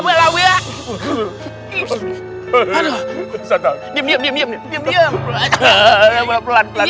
pelan pelan pelan